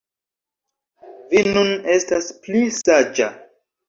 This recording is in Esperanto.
Vi nun estas pli saĝa